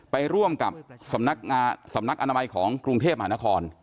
ไปร่วมกับสำนักสำนักอนามัยของกรุงเทพมหานคร